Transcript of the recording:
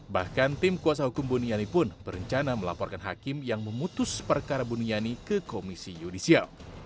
bahkan tim kuasa hukum buniani pun berencana melaporkan hakim yang memutus perkara buniani ke komisi yudisial